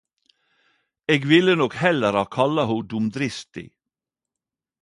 Eg ville nok heller ha kalla ho dumdristig.